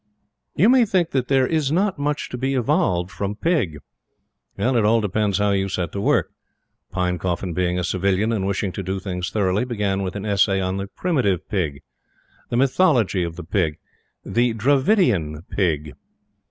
You may think that there is not much to be evolved from Pig. It all depends how you set to work. Pinecoffin being a Civilian and wishing to do things thoroughly, began with an essay on the Primitive Pig, the Mythology of the Pig, and the Dravidian Pig.